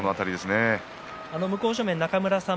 向正面、中村さん